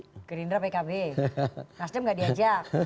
nasdem tidak diajak